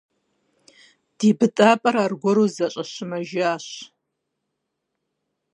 Ди быдапӀэр аргуэру зэщӀэщымэжащ.